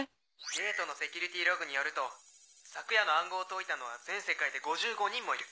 ゲートのセキュリティーログによると昨夜の暗号を解いたのは全世界で５５人もいる。